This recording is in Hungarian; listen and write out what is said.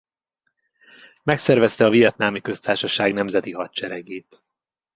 Megszervezte a Vietnami Köztársaság nemzeti hadseregét.